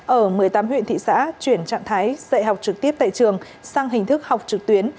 ở một mươi tám huyện thị xã chuyển trạng thái dạy học trực tiếp tại trường sang hình thức học trực tuyến